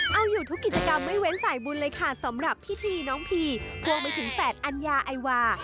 เอาอยู่ทุกกิจกรรมไม่เว้นสายบุญเลยค่ะสำหรับพิธีน้องพีพ่วงไปถึงแฝดอัญญาไอวา